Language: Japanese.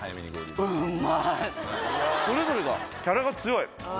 それぞれがキャラが強い。